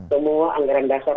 semua anggaran dasar